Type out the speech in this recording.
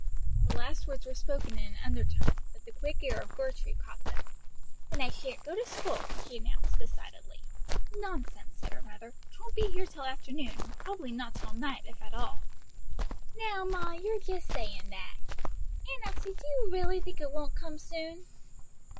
The last words were spoken in an undertone, but the quick ear of Gertrude caught them. "Then I shan't go to school," she announced decidedly. "Nonsense," said her mother, "'twon't be here till afternoon; probably not till night, if at all." "Now, ma, you're just saying that. Aunt Elsie, do you really think it won't come soon?"